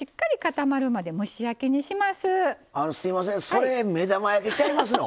それ目玉焼きちゃいますの？